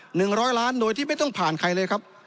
หนึ่งร้อยล้านโดยที่ไม่ต้องผ่านใครเลยครับ